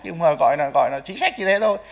nhưng mà gọi là gọi là chính sách như thế thôi